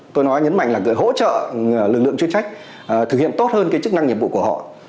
tôi nói nhấn mạnh là hỗ trợ lực lượng chuyên trách thực hiện tốt hơn cái chức năng nhiệm vụ của họ